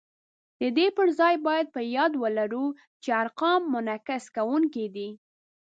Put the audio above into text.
د دې پر ځای باید په یاد ولرو چې ارقام منعکس کوونکي دي